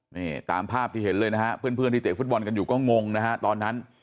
นี่ตามภาพที่เห็นเลยนะฮะเพื่อนที่เตะฟุตบอลกันอยู่ก็งงนะฮะตอนนั้น